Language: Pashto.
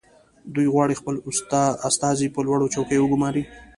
دوی غواړي خپل استازي په لوړو چوکیو وګماري